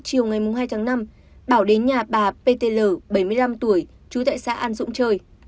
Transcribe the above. chiều ngày hai tháng năm bảo đến nhà bà p t l bảy mươi năm tuổi chú tại xã an dũng chơi